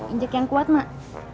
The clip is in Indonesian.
injek yang kuat mak